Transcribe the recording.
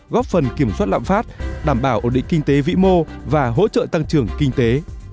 góp phần kiểm soát lạm phát đảm bảo ổn định kinh tế vĩ mô và hỗ trợ tăng trưởng kinh tế